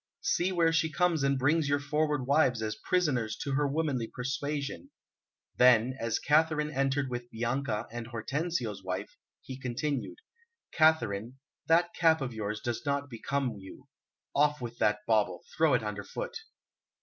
See where she comes and brings your froward wives as prisoners to her womanly persuasion." Then, as Katharine entered with Bianca and Hortensio's wife, he continued: "Katharine, that cap of yours does not become you; off with that bauble, throw it underfoot."